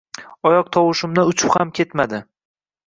Oyoq tovushimdan uchib ham ketmadi.